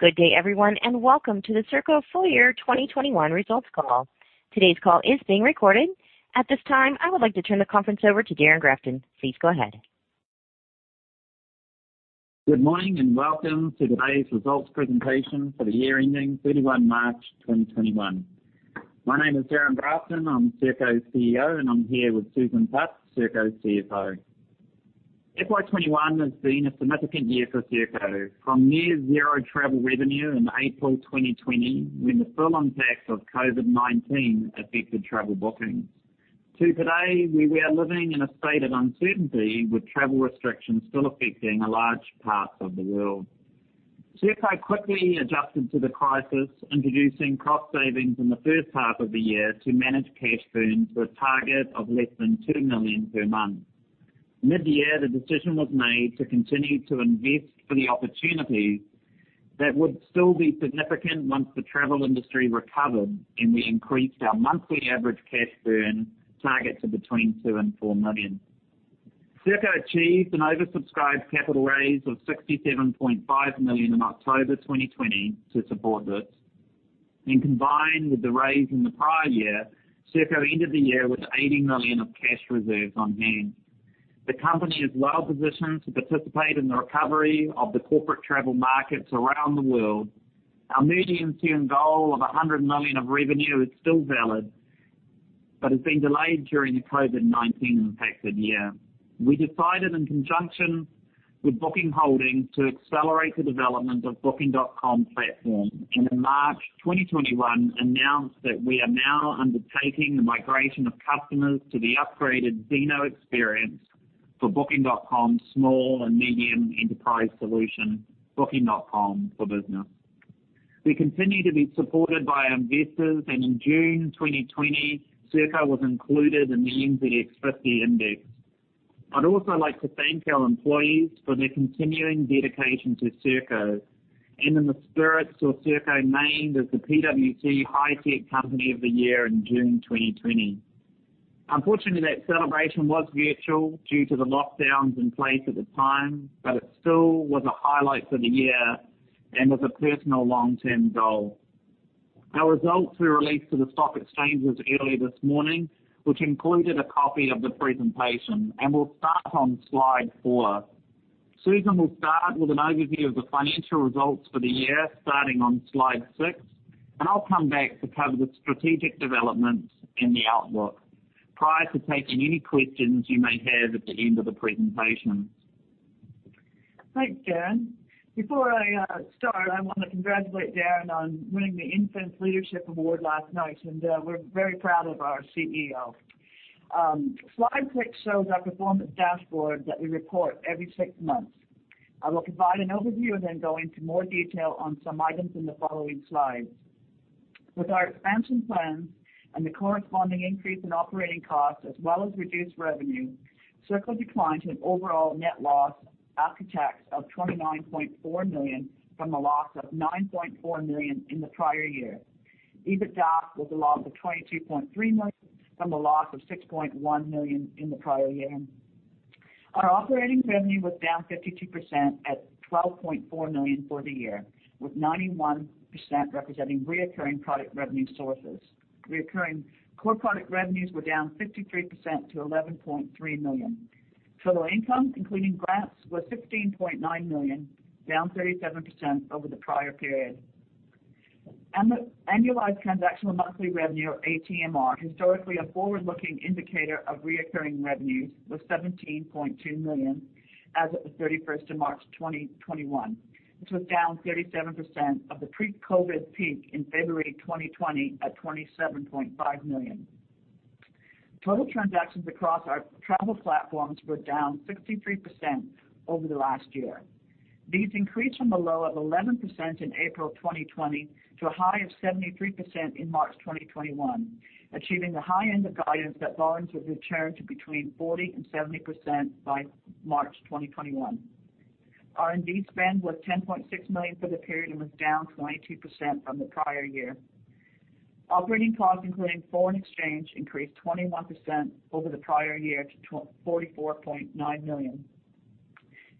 Good day, everyone, and welcome to the Serko full year 2021 results call. Today's call is being recorded. At this time, I would like to turn the conference over to Darrin Grafton. Please go ahead. Good morning, welcome to today's results presentation for the year ending 31 March 2021. My name is Darrin Grafton. I'm Serko's CEO, and I'm here with Susan Putt, Serko's CFO. FY2021 has been a significant year for Serko. From near zero travel revenue in April 2020, when the full impact of COVID-19 affected travel bookings, to today, where we are living in a state of uncertainty with travel restrictions still affecting large parts of the world. Serko quickly adjusted to the crisis, introducing cost savings in the first half of the year to manage cash burn to a target of less than 2 million per month. Mid-year, the decision was made to continue to invest for the opportunities that would still be significant once the travel industry recovered, and we increased our monthly average cash burn target to between 2 million and 4 million. Serko achieved an oversubscribed capital raise of 67.5 million in October 2020 to support this. Combined with the raise in the prior year, Serko ended the year with 80 million of cash reserves on hand. The company is well-positioned to participate in the recovery of the corporate travel markets around the world. Our medium-term goal of 100 million of revenue is still valid, but has been delayed during the COVID-19 affected year. We decided in conjunction with Booking Holdings to accelerate the development of Booking.com platform, and in March 2021 announced that we are now undertaking the migration of customers to the upgraded Zeno experience for Booking.com small and medium enterprise solution, Booking.com for Business. We continue to be supported by investors, and in June 2020, Serko was included in the NZX 50 Index. I'd also like to thank our employees for their continuing dedication to Serko and in the spirit saw Serko named as the PwC Hi-Tech Company of the Year in June 2020. Unfortunately, that celebration was virtual due to the lockdowns in place at the time, it still was a highlight for the year and was a personal long-term goal. Our results were released to the stock exchanges early this morning, which included a copy of the presentation, we'll start on slide four. Susan will start with an overview of the financial results for the year, starting on slide six, I'll come back to cover the strategic developments and the outlook prior to taking any questions you may have at the end of the presentation. Thanks, Darrin. Before I start, I want to congratulate Darrin on winning the Influence Leadership Award last night, and we're very proud of our CEO. Slide six shows our performance dashboard that we report every six months. I will provide an overview and then go into more detail on some items in the following slides. With our expansion plans and the corresponding increase in operating costs as well as reduced revenue, Serko declined to an overall net loss after tax of 29.4 million from a loss of 9.4 million in the prior year. EBITDA was a loss of 22.3 million from a loss of 6.1 million in the prior year. Our operating revenue was down 52% at 12.4 million for the year, with 91% representing reoccurring product revenue sources. Reoccurring core product revenues were down 53% to 11.3 million. Total income, including grants, was 16.9 million, down 37% over the prior period. Annualized transactional monthly revenue or ATMR, historically a forward-looking indicator of reoccurring revenues, was 17.2 million as at the 31st of March 2021. This was down 37% of the pre-COVID-19 peak in February 2020 at 27.5 million. Total transactions across our travel platforms were down 63% over the last year. These increased from a low of 11% in April 2020 to a high of 73% in March 2021, achieving the high end of guidance that volumes would return to between 40% and 70% by March 2021. R&D spend was 10.6 million for the period and was down 22% from the prior year. Operating costs, including foreign exchange, increased 21% over the prior year to 44.9 million.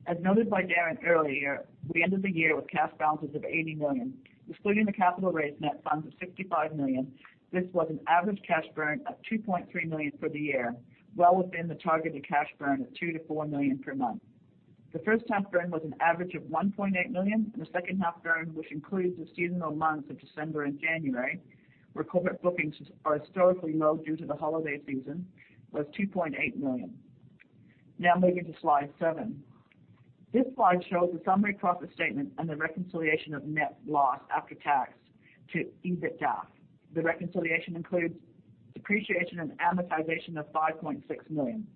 As noted by Darrin earlier, we ended the year with cash balances of 80 million. Excluding the capital raise net funds of 65 million, this was an average cash burn of 2.3 million for the year, well within the targeted cash burn of 2 million-4 million per month. The first half burn was an average of 1.8 million, the second half burn, which includes the seasonal months of December and January, where corporate bookings are historically low due to the holiday season, was 2.8 million. Moving to slide seven. This slide shows the summary profit statement and the reconciliation of net loss after tax to EBITDA. The reconciliation includes depreciation and amortization of 5.6 million.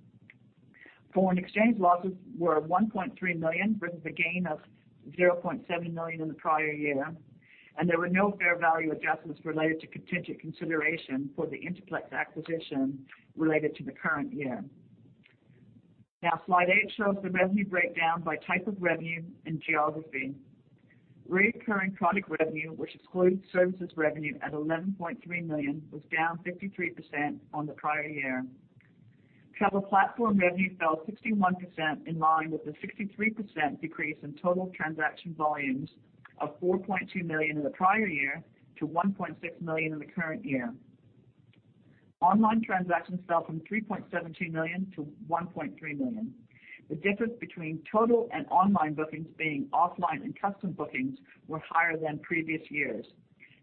Foreign exchange losses were 1.3 million versus a gain of 0.7 million in the prior year. There were no fair value adjustments related to contingent consideration for the InterplX acquisition related to the current year. Slide eight shows the revenue breakdown by type of revenue and geography. Recurring product revenue, which excludes services revenue at 11.3 million, was down 53% on the prior year. Travel platform revenue fell 61%, in line with the 63% decrease in total transaction volumes of 4.2 million in the prior year to 1.6 million in the current year. Online transactions fell from 3.17 million to 1.3 million. The difference between total and online bookings being offline and custom bookings were higher than previous years.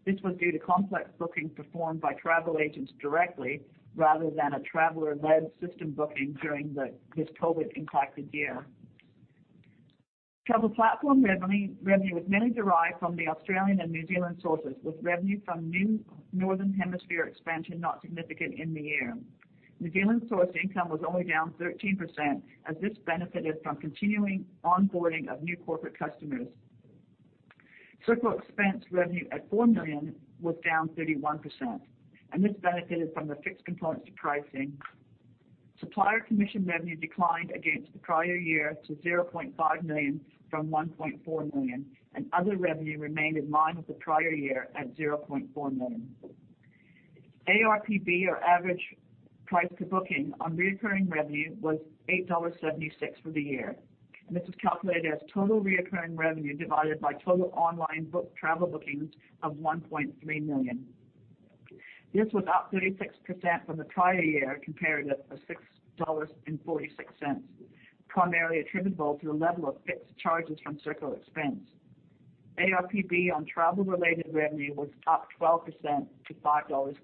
This was due to complex bookings performed by travel agents directly rather than a traveler-led system booking during this COVID-19-impacted year. Travel platform revenue was mainly derived from the Australian and New Zealand sources, with revenue from new northern hemisphere expansion not significant in the year. New Zealand source income was only down 13%, as this benefited from continuing onboarding of new corporate customers. Serko Expense revenue at 4 million was down 31%. This benefited from the fixed components to pricing. Supplier commission revenue declined against the prior year to 0.5 million from 1.4 million. Other revenue remained in line with the prior year at 0.4 million. ARPB, or average price per booking, on reoccurring revenue was 8.76 dollars for the year. This was calculated as total reoccurring revenue divided by total online booked travel bookings of 1.3 million. This was up 36% from the prior year comparative of NZD 6.46, primarily attributable to a level of fixed charges from Serko Expense. ARPB on travel-related revenue was up 12% to 5.36 dollars.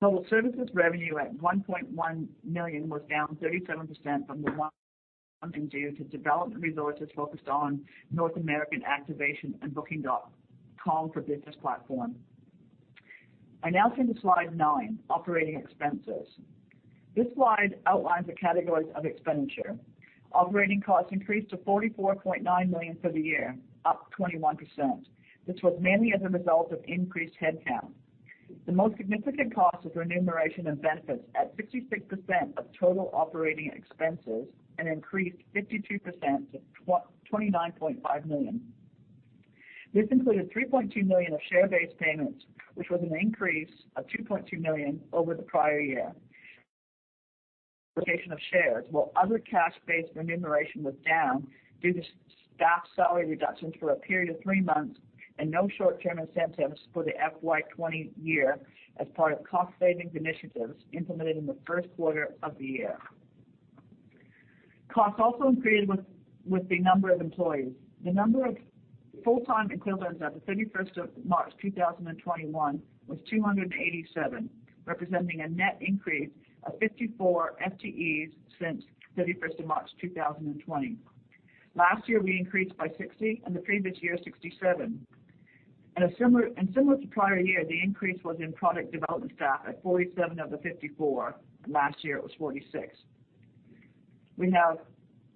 Total services revenue at 1.1 million was down 37% on the last one due to development resources focused on North American activation and Booking.com for Business platform. I now turn to slide nine, operating expenses. This slide outlines the categories of expenditure. Operating costs increased to 44.9 million for the year, up 21%. This was mainly as a result of increased headcount. The most significant cost was remuneration and benefits at 66% of total operating expenses and increased 52% to 29.5 million. This included 3.2 million of share-based payments, which was an increase of 2.2 million over the prior year. Allocation of shares, while other cash-based remuneration was down due to staff salary reductions for a period of three months and no short-term incentives for the FY 2020 year as part of cost-savings initiatives implemented in the first quarter of the year. Costs also increased with the number of employees. The number of full-time equivalents at the 31st of March 2021 was 287, representing a net increase of 54 FTEs since 31st of March 2020. Last year, we increased by 60, and the previous year, 67. Similar to the prior year, the increase was in product development staff at 47 out of 54. Last year, it was 46. We have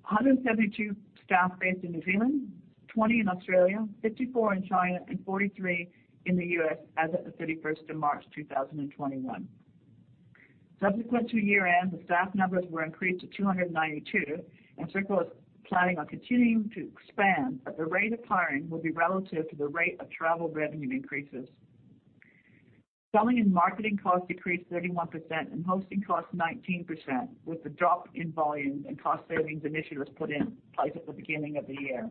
172 staff based in New Zealand, 20 in Australia, 54 in China, and 43 in the U.S. as at the 31st of March 2021. Subsequent to year-end, the staff numbers were increased to 292, and Serko is planning on continuing to expand, but the rate of hiring will be relative to the rate of travel revenue increases. Selling and marketing costs decreased 31% and hosting costs 19%, with the drop in volume and cost-savings initiatives put in place at the beginning of the year.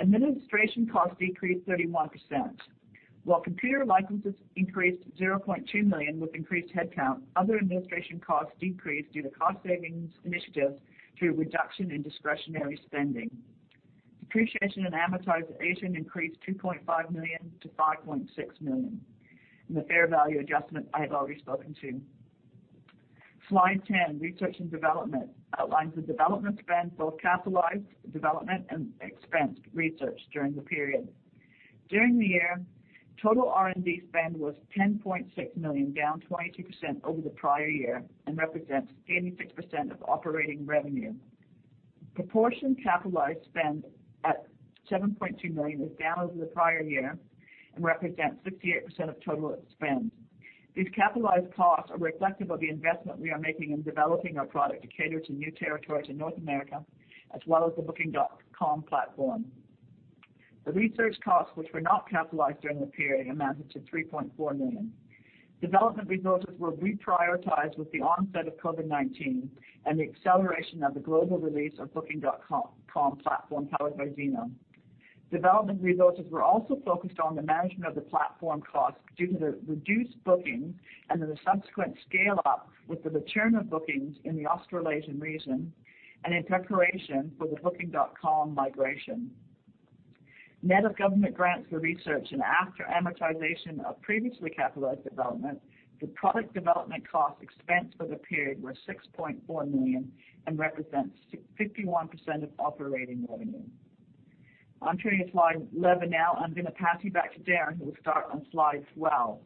Administration costs decreased 31%. While computer licenses increased 0.2 million with increased headcount, other administration costs decreased due to cost savings initiatives through reduction in discretionary spending. Depreciation and amortization increased 2.5 million-5.6 million, the fair value adjustment I have already spoken to. Slide 10, research and development, outlines the development spend for capitalized development and expensed research during the period. During the year, total R&D spend was 10.6 million, down 22% over the prior year and represents 86% of operating revenue. Proportion capitalized spend at 7.2 million was down over the prior year and represents 58% of total spend. These capitalized costs are reflective of the investment we are making in developing our product to cater to new territories in North America, as well as the Booking.com platform. The research costs, which were not capitalized during the period, amounted to 3.4 million. Development resources were reprioritized with the onset of COVID-19 and the acceleration of the global release of Booking.com platform powered by Zeno. Development resources were also focused on the management of the platform costs due to the reduced bookings and the subsequent scale-up with the return of bookings in the Australasian region and in preparation for the Booking.com migration. Net of government grants for research and after amortization of previously capitalized development, the product development costs expensed for the period were 6.4 million and represent 51% of operating revenue. On to slide 11 now, I'm going to pass you back to Darrin, who will start on slide 12.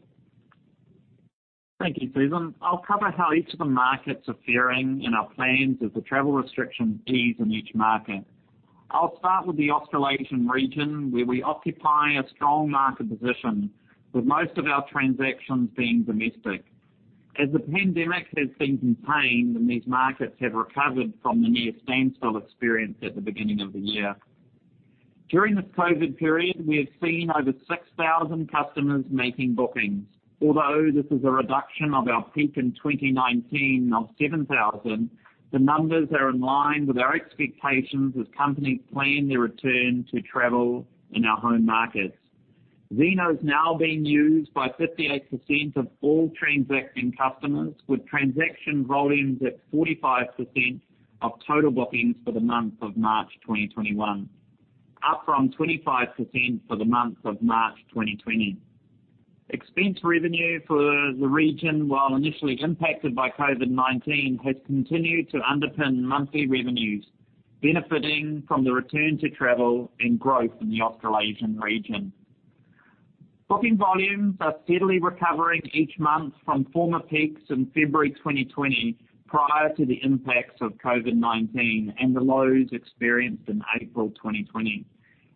Thank you, Susan. I'll cover how each of the markets are faring and our plans as the travel restriction ease in each market. I'll start with the Australasian region, where we occupy a strong market position, with most of our transactions being domestic. As the pandemic has been contained and these markets have recovered from the near standstill experienced at the beginning of the year. During this COVID-19 period, we have seen over 6,000 customers making bookings. Although this is a reduction of our peak in 2019 of 7,000, the numbers are in line with our expectations as companies plan their return to travel in our home markets. Zeno is now being used by 58% of all transacting customers, with transaction volumes at 45% of total bookings for the month of March 2021, up from 25% for the month of March 2020. Expense revenue for the region, while initially impacted by COVID-19, has continued to underpin monthly revenues, benefiting from the return to travel and growth in the Australasian region. Booking volumes are steadily recovering each month from former peaks in February 2020 prior to the impacts of COVID-19 and the lows experienced in April 2020.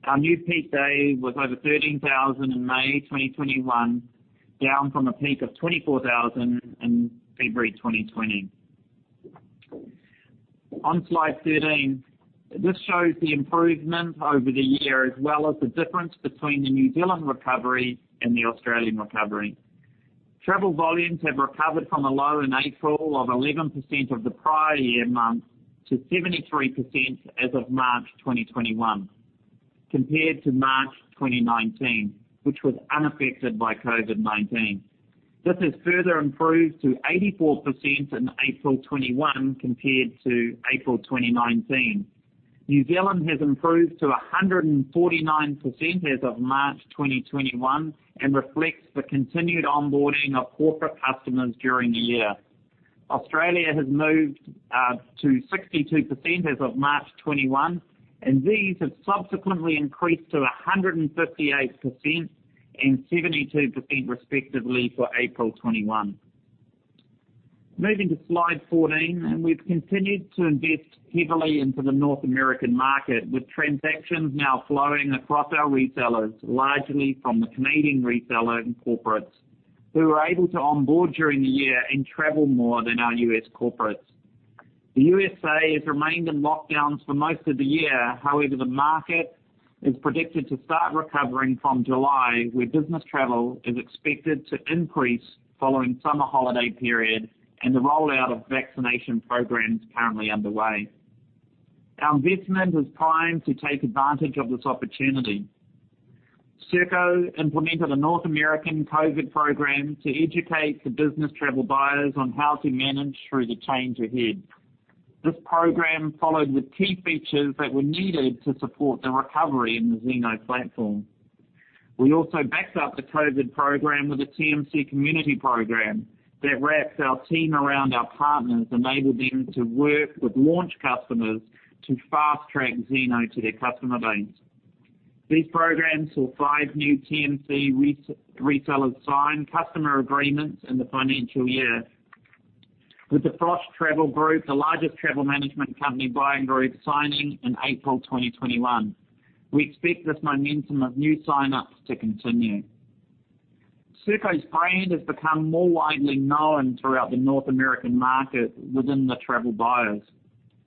Our new peak day was over 13,000 in May 2021, down from a peak of 24,000 in February 2020. On slide 13, this shows the improvement over the year as well as the difference between the New Zealand recovery and the Australian recovery. Travel volumes have recovered from a low in April of 11% of the prior year month to 73% as of March 2021, compared to March 2019, which was unaffected by COVID-19. This has further improved to 84% in April 2021 compared to April 2019. New Zealand has improved to 149% as of March 2021 and reflects the continued onboarding of corporate customers during the year. Australia has moved to 62% as of March 2021, and these have subsequently increased to 158% and 72%, respectively, for April 2021. Moving to slide 14, we've continued to invest heavily into the North American market, with transactions now flowing across our retailers, largely from the Canadian reseller and corporates, who were able to onboard during the year and travel more than our U.S. corporates. The USA has remained in lockdowns for most of the year. However, the market is predicted to start recovering from July, where business travel is expected to increase following summer holiday period and the rollout of vaccination programs currently underway. Our investment is primed to take advantage of this opportunity. Serko implemented a North American COVID program to educate the business travel buyers on how to manage through the change ahead. This program followed the key features that were needed to support the recovery in the Zeno platform. We also backed up the COVID program with a TMC community program that wraps our team around our partners, enabling them to work with launch customers to fast-track Zeno to their customer base. These programs saw five new TMC resellers sign customer agreements in the financial year, with the Frosch Travel Group, the largest travel management company buying group, signing in April 2021. We expect this momentum of new sign-ups to continue. Serko's brand has become more widely known throughout the North American market within the travel buyers.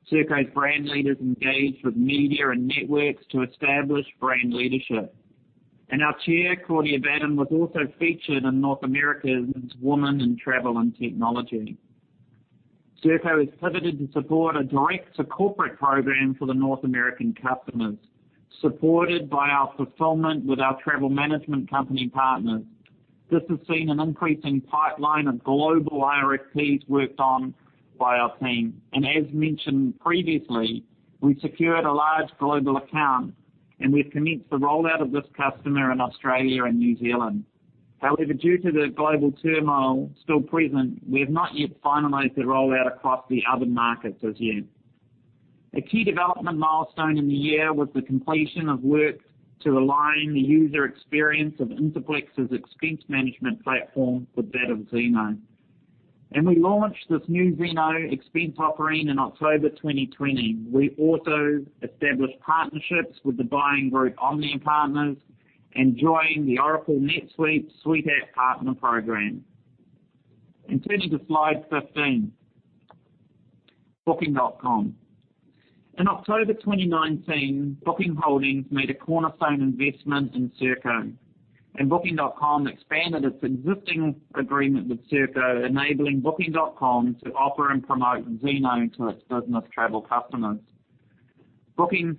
Serko's brand leaders engaged with media and networks to establish brand leadership. Our chair, Claudia Batten, was also featured in North America's Women in Travel and Technology. Serko has pivoted to support a direct-to-corporate program for the North American customers, supported by our fulfillment with our travel management company partners. This has seen an increasing pipeline of global RFPs worked on by our team. As mentioned previously, we secured a large global account and we've commenced the rollout of this customer in Australia and New Zealand. However, due to the global turmoil still present, we have not yet finalized the rollout across the other markets as yet. A key development milestone in the year was the completion of work to align the user experience of InterplX's expense management platform with that of Zeno. We launched this new Zeno Expense offering in October 2020. We also established partnerships with the buying group OMNIA Partners and joined the Oracle NetSuite SuiteApp Partner program. Turning to slide 15, Booking.com. In October 2019, Booking Holdings made a cornerstone investment in Serko, and Booking.com expanded its existing agreement with Serko, enabling Booking.com to offer and promote Zeno to its business travel customers. Booking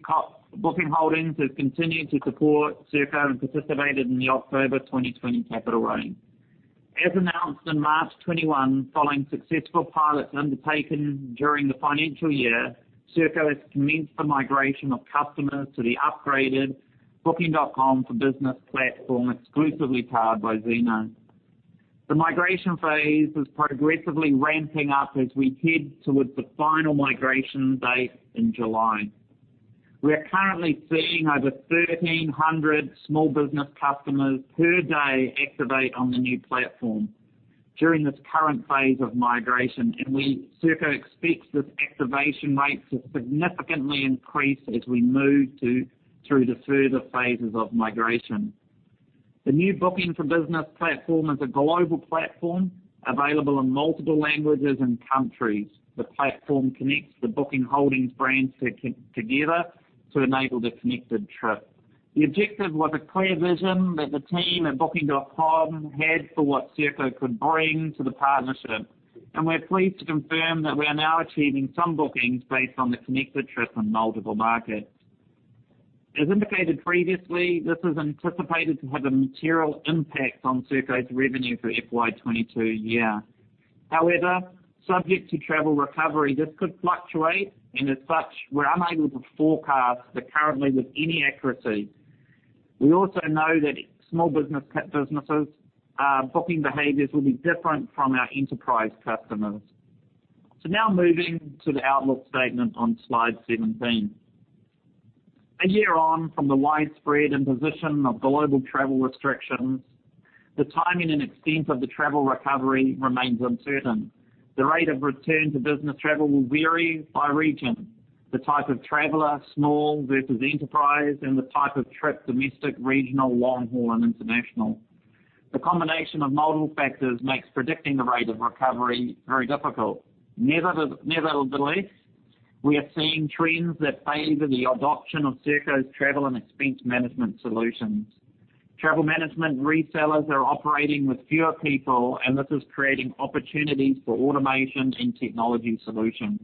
Holdings has continued to support Serko and participated in the October 2020 capital raise. As announced on March 2021, following successful pilots undertaken during the financial year, Serko has commenced the migration of customers to the upgraded Booking.com for Business platform, exclusively powered by Zeno. The migration phase is progressively ramping up as we head towards the final migration date in July. We are currently seeing over 1,300 small business customers per day activate on the new platform during this current phase of migration. Serko expects this activation rate to significantly increase as we move through the further phases of migration. The new Booking.com for Business platform is a global platform available in multiple languages and countries. The platform connects the Booking Holdings brands together to enable the Connected Trip. The objective was a clear vision that the team at Booking.com had for what Serko could bring to the partnership. We're pleased to confirm that we are now achieving some bookings based on the Connected Trip in multiple markets. As indicated previously, this is anticipated to have a material impact on Serko's revenue for FY2022 year. Subject to travel recovery, this could fluctuate. As such, we're unable to forecast that currently with any accuracy. We also know that small businesses' booking behaviors will be different from our enterprise customers. Now moving to the outlook statement on slide 17. A year on from the widespread imposition of global travel restrictions, the timing and extent of the travel recovery remains uncertain. The rate of return to business travel will vary by region, the type of traveler, small versus enterprise, and the type of trip, domestic, regional, long-haul, and international. The combination of multiple factors makes predicting the rate of recovery very difficult. Nevertheless, we are seeing trends that favor the adoption of Serko's travel and expense management solutions. Travel management resellers are operating with fewer people, and this is creating opportunities for automation and technology solutions.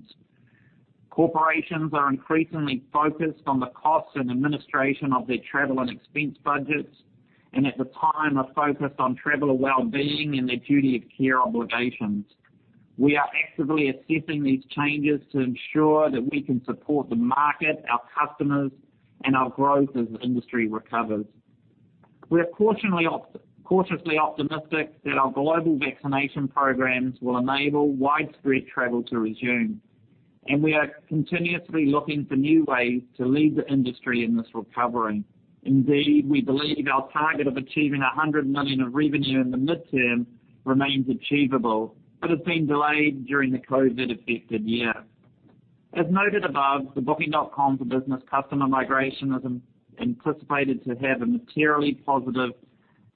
Corporations are increasingly focused on the cost and administration of their travel and expense budgets, and at the time are focused on traveler well-being and their duty of care obligations. We are actively assessing these changes to ensure that we can support the market, our customers, and our growth as the industry recovers. We are cautiously optimistic that our global vaccination programs will enable widespread travel to resume, and we are continuously looking for new ways to lead the industry in this recovery. Indeed, we believe our target of achieving 100 million of revenue in the midterm remains achievable but has been delayed during the COVID-19-affected year. As noted above, the Booking.com for Business customer migration is anticipated to have a materially positive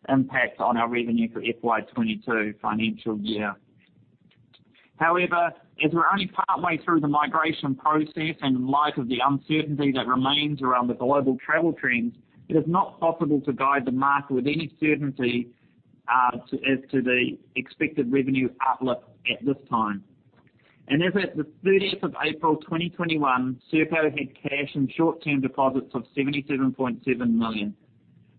impact on our revenue for FY 2022 financial year. However, as we're only partway through the migration process and in light of the uncertainty that remains around the global travel trends, it is not possible to guide the market with any certainty as to the expected revenue uplift at this time. As at the 30th of April 2021, Serko had cash and short-term deposits of 77.7 million.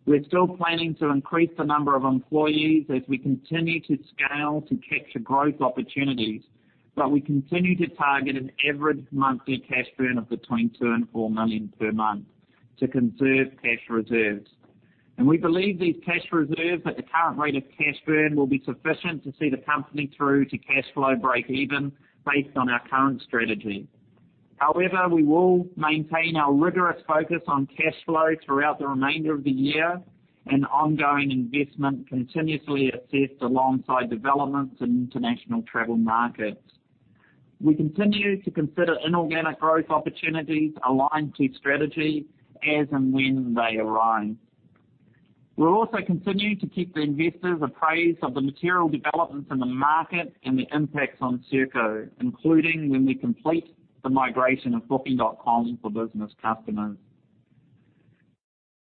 We're still planning to increase the number of employees as we continue to scale to capture growth opportunities, but we continue to target an average monthly cash burn of between 2 million and 4 million per month to conserve cash reserves. We believe these cash reserves at the current rate of cash burn will be sufficient to see the company through to cash flow breakeven based on our current strategy. However, we will maintain our rigorous focus on cash flow throughout the remainder of the year and ongoing investment continuously assessed alongside developments in international travel markets. We continue to consider inorganic growth opportunities aligned to strategy as and when they arise. We'll also continue to keep the investors appraised of the material developments in the market and the impacts on Serko, including when we complete the migration of Booking.com for Business customers.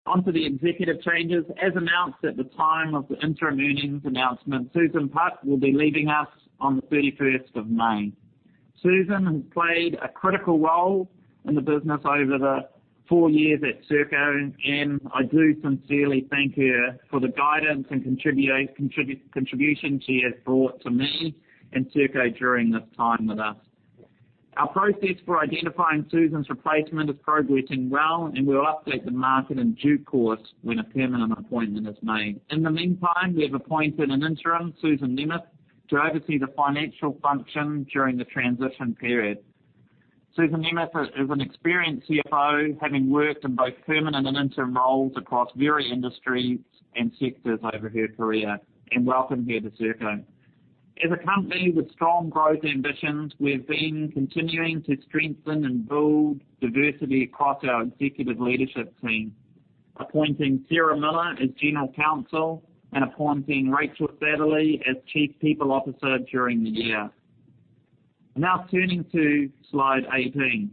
Onto the executive changes. As announced at the time of the interim earnings announcement, Susan Putt will be leaving us on the 31st of May. Susan has played a critical role in the business over the four years at Serko, and I do sincerely thank her for the guidance and contribution she has brought to me and Serko during this time with us. Our process for identifying Susan's replacement is progressing well, and we'll update the market in due course when a permanent appointment is made. In the meantime, we have appointed an interim, Susan Nemeth, to oversee the financial function during the transition period. Susan Nemeth is an experienced CFO, having worked in both permanent and interim roles across various industries and sectors over her career, and welcome her to Serko. As a company with strong growth ambitions, we've been continuing to strengthen and build diversity across our executive leadership team, appointing Sarah Miller as General Counsel and appointing Rachael Satherley as Chief People Officer during the year. Turning to slide 18.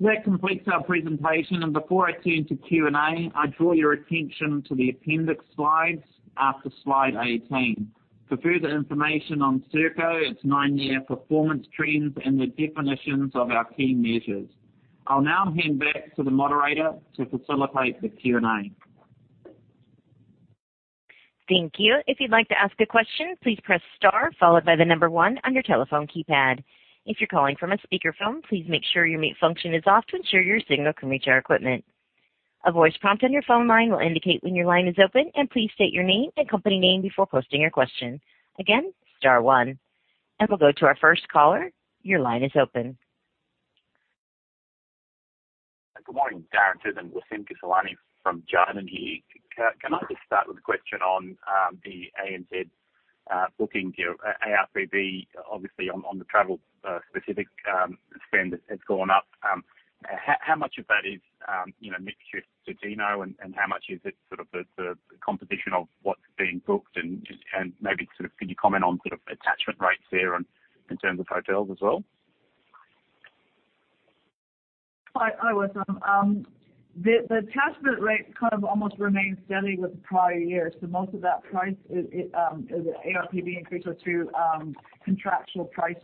That completes our presentation, and before I turn to Q&A, I draw your attention to the appendix slides after slide 18 for further information on Serko, its nine-year performance trends, and the definitions of our key measures. I'll now hand back to the moderator to facilitate the Q&A. Thank you. If you'd like to ask a question, please press star followed by the number one on your telephone keypad. If you're calling from a speakerphone, please make sure your mute function is off to ensure your signal can reach our equipment. A voice prompt on your phone line will indicate when your line is open, please state your name and company name before posting your question. Again, star one. We'll go to our first caller. Your line is open. Good morning. Darrin, Susan, Wassim Kisirwani from Jarden. Can I just start with a question on the ANZBooking ARP obviously on the travel specific spend has gone up. How much of that is mixture of Zeno and how much is it the competition of what's being booked and maybe could you comment on attachment rates there in terms of hotels as well? Hi, Wassim. The attachment rate kind of almost remains steady with the prior year. Most of that price, the ARP increase are through contractual price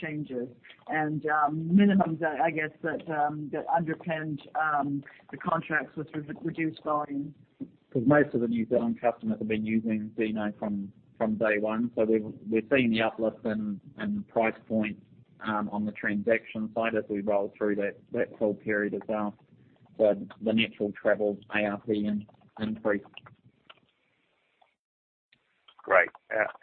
changes and minimums that I guess that underpins the contracts which have reduced volume. To add to that the New Zealand customers have been using Zeno from day one. We're seeing the uplift in price point on the transaction side as we roll through that full period as our natural travel ARP increase. Great.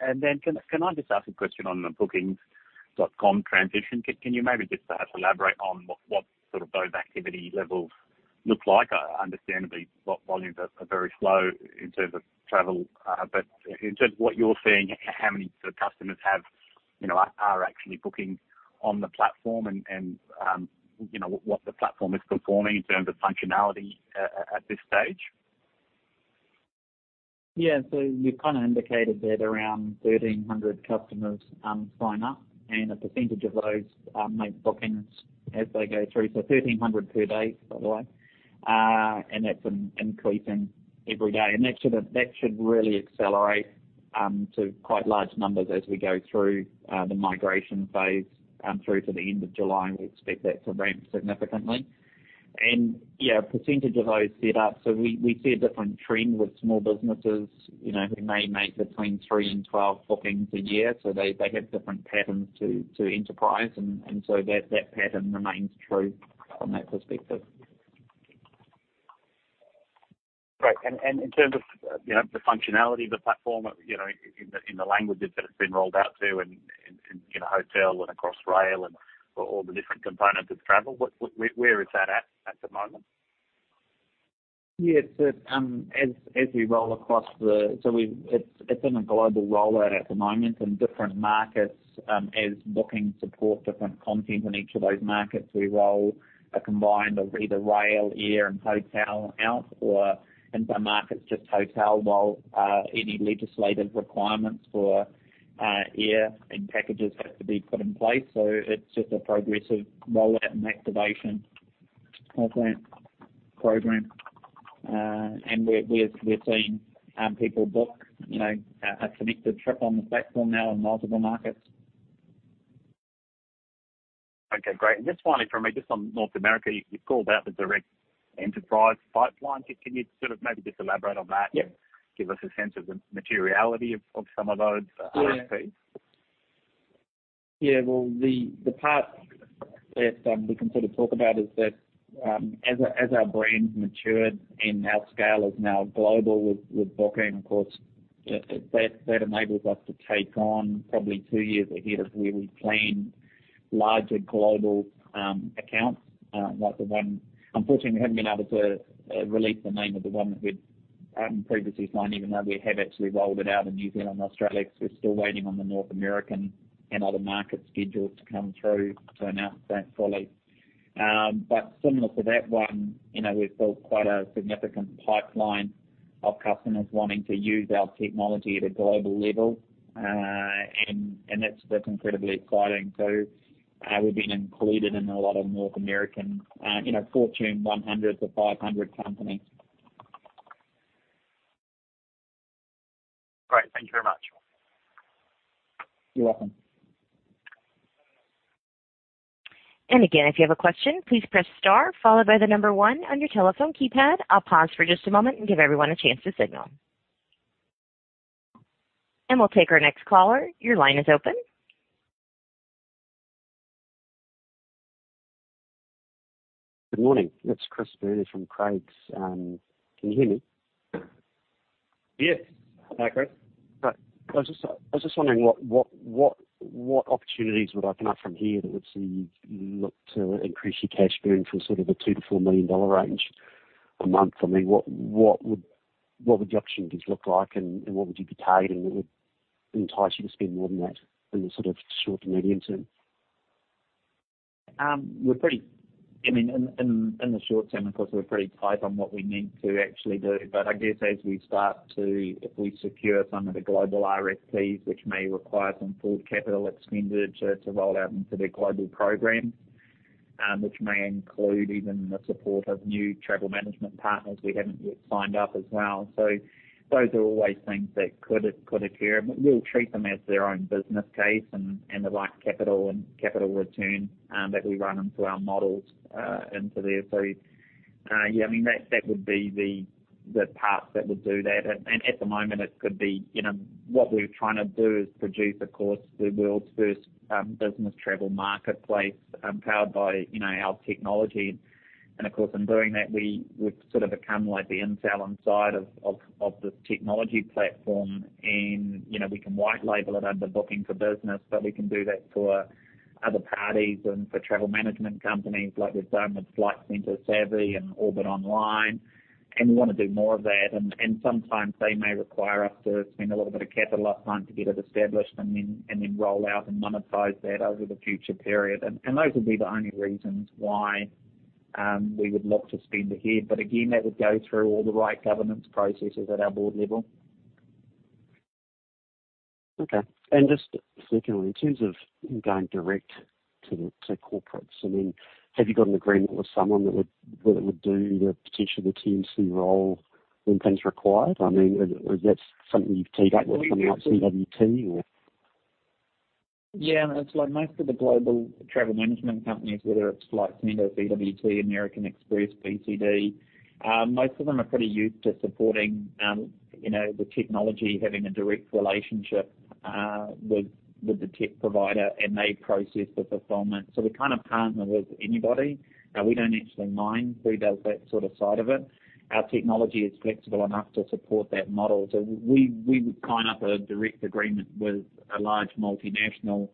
Can I just ask a question on the Booking.com transition? Can you maybe just elaborate on what those activity levels look like? I understand the volumes are very slow in terms of travel, but in terms of what you're seeing, how many customers are actually booking on the platform and what the platform is performing in terms of functionality at this stage. Yeah. We've kind of indicated that around 1,300 customers sign up, and a percentage of those make bookings as they go through. 1,300 per day, by the way, and that's been increasing every day. That should really accelerate to quite large numbers as we go through the migration phase through to the end of July. We expect that to ramp significantly. Yeah, a percentage of those set up. We see a different trend with small businesses who may make between three and 12 bookings a year. They have different patterns to enterprise, that pattern remains true from that perspective. Great. In terms of the functionality of the platform in the languages that it's been rolled out to in hotel and across rail and all the different components of travel, where is that at the moment? Yeah. It's in a global rollout at the moment in different markets as bookings support different content in each of those markets. We roll a combined of either rail, air, and hotel out or in some markets, just hotel, while any legislative requirements for air and packages have to be put in place. It's just a progressive rollout and activation program. We're seeing people book a Connected Trip on the platform now in multiple markets. Okay, great. Just finally from me, just on North America, you called out the direct enterprise pipeline. Can you just maybe just elaborate on that? Yeah. Give us a sense of the materiality of some of those RFPs. Yeah. Well, the part that we can sort of talk about is that as our brand's matured and our scale is now global with Booking, of course, that enables us to take on probably two years ahead of where we planned larger global accounts like the one. Unfortunately, we haven't been able to release the name of the one that we've previously signed, even though we have actually rolled it out in New Zealand and Australia, because we're still waiting on the North American and other markets schedules to come through to announce that fully. Similar to that one, we've built quite a significant pipeline of customers wanting to use our technology at a global level. That's incredibly exciting. We've been included in a lot of North American Fortune 100-500 companies. Great. Thank you very much. You're welcome. Again, if you have a question, please press star, followed by the number one on your telephone keypad. I'll pause for just a moment and give everyone a chance to signal. We'll take our next caller. Your line is open. Good morning. It's Chris Moody from Craigs. Can you hear me? Yes. Hi, Chris. Great. I was just wondering what opportunities would open up from here that would see you look to increase your cash burn for sort of the 2 million-4 million dollar range a month? I mean, what would the opportunities look like, and what would you be paid, and what would entice you to spend more than that in the short to medium term? In the short term, of course, we're pretty tight on what we need to actually do. I guess if we secure some of the global RFPs, which may require some forward capital expenditure to roll out into their global programs, which may include even the support of new travel management partners we haven't yet signed up as well. Those are always things that could occur. We'll treat them as their own business case, and the right capital and capital returns that we run into our models into there. Yeah, I mean, that would be the path that would do that. At the moment, it could be what we're trying to do is produce, of course, the world's first business travel marketplace powered by our technology. Of course, in doing that, we've sort of become like the Intel inside of this technology platform. We can white label it under Booking for Business, but we can do that for other parties and for travel management companies like we've done with Flight Centre Savvy and Orbit Online, and we want to do more of that. Sometimes they may require us to spend a little bit of capital upfront to get it established and then roll out and monetize that over the future period. Those would be the only reasons why we would look to spend ahead. Again, that would go through all the right governance processes at our board level. Okay. Just secondly, in terms of going direct to corporates, have you got an agreement with someone that would do potentially the TMC role when things require it? Is that something you've teed up with someone like CWT or? Yeah, most of the global travel management companies, whether it's like CWT, American Express, BCD, most of them are pretty used to supporting the technology, having a direct relationship with the tech provider, and they process the fulfillment. We kind of partner with anybody. We don't actually mind who does that sort of side of it. Our technology is flexible enough to support that model. We would sign up a direct agreement with a large multinational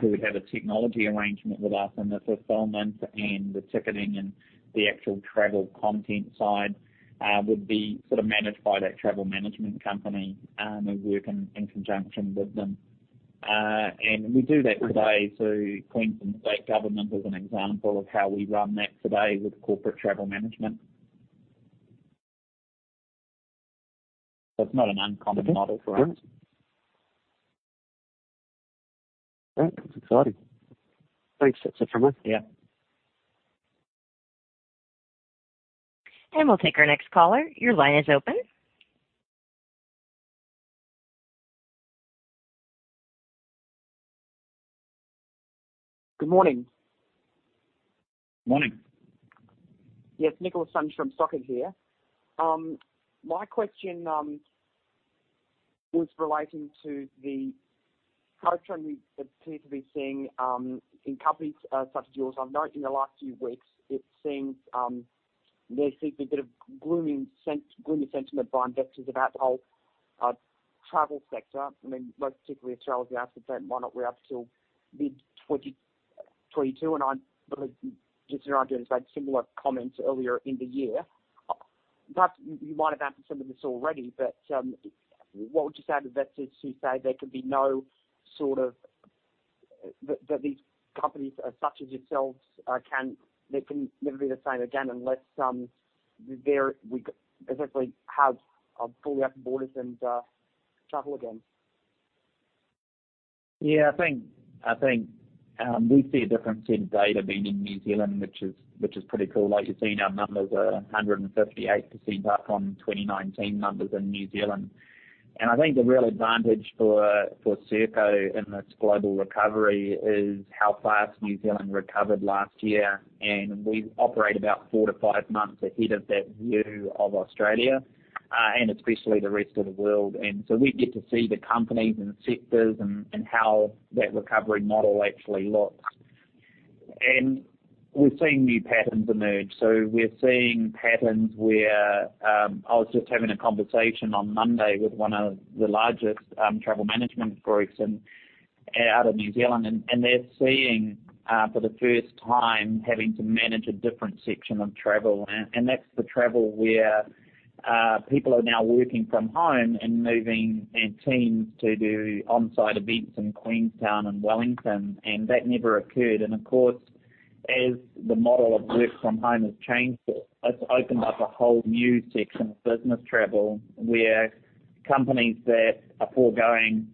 who would have a technology arrangement with us, and the fulfillment and the ticketing and the actual travel content side would be sort of managed by that travel management company. We work in conjunction with them. We do that today through Queensland State Government as an example of how we run that today with Corporate Travel Management. It's not an uncommon model for us. Okay. Great. That's exciting. Thanks. That's it from me. Yeah. And we'll take our next caller. Your line is open. Good morning. Morning. Yes, Nicholas Sansom from Socket here. My question was relating to the growth trend we appear to be seeing in companies such as yours. I've noted in the last few weeks it seems a bit of gloomy sentiment by investors about the whole travel sector. Most particularly Australia's might not be up till mid-2022. I believe Justin Irvine has made similar comments earlier in the year. Perhaps you might have answered some of this already, what would you say to investors who say that these companies such as yourselves can never be the same again unless we specifically have fully open borders and travel again? Yeah, I think we see a different set of data being in New Zealand, which is pretty cool. Like you've seen, our numbers are 158% up from 2019 numbers in New Zealand. I think the real advantage for Serko in this global recovery is how fast New Zealand recovered last year. We operate about four to five months ahead of that view of Australia, and especially the rest of the world. We get to see the companies and sectors and how that recovery model actually looks. We're seeing new patterns emerge. We're seeing patterns. I was just having a conversation on Monday with one of the largest travel management groups out of New Zealand, and they're seeing for the first time having to manage a different section of travel. That's the travel where people are now working from home and moving their teams to do on-site events in Queenstown and Wellington, and that never occurred. Of course, as the model of work from home has changed, it's opened up a whole new section of business travel where companies that are foregoing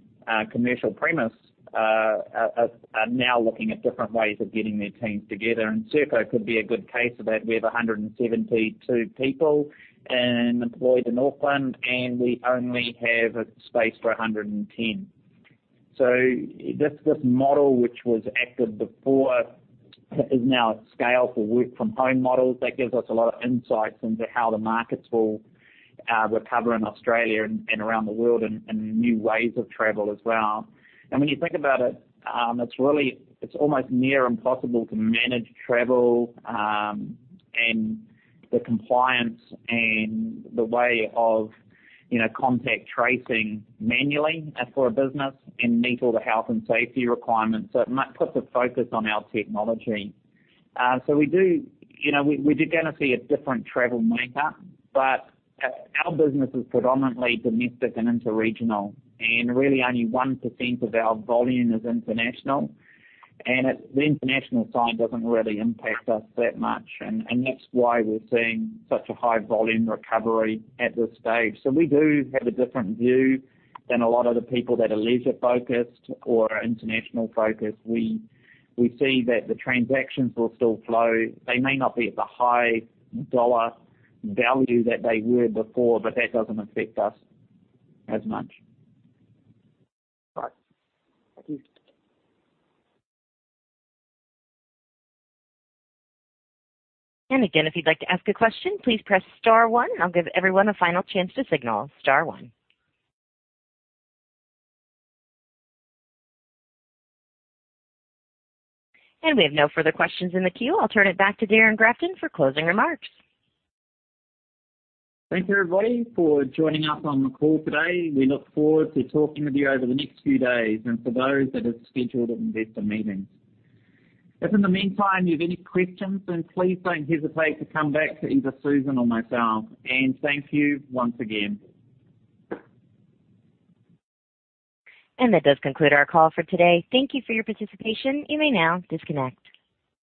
commercial premise are now looking at different ways of getting their teams together. Serko could be a good case of that. We have 172 people employed in Auckland, and we only have space for 110. This model, which was active before, is now at scale for work from home models. That gives us a lot of insights into how the markets will recover in Australia and around the world and new ways of travel as well. When you think about it's almost near impossible to manage travel and the compliance and the way of contact tracing manually for a business and meet all the health and safety requirements. It puts a focus on our technology. We're going to see a different travel makeup. Our business is predominantly domestic and interregional, and really only 1% of our volume is international. The international side doesn't really impact us that much, and that's why we're seeing such a high volume recovery at this stage. We do have a different view than a lot of the people that are leisure-focused or are international-focused. We see that the transactions will still flow. They may not be at the high dollar value that they were before, but that doesn't affect us as much. Right. Thank you. Again, if you'd like to ask a question, please press star one. I'll give everyone a final chance to signal. Star one. We have no further questions in the queue. I'll turn it back to Darrin Grafton for closing remarks. Thanks, everybody, for joining us on the call today. We look forward to talking with you over the next few days and for those that are scheduled at investor meetings. If in the meantime you have any questions, then please don't hesitate to come back to either Susan or myself. Thank you once again. That does conclude our call for today. Thank you for your participation. You may now disconnect.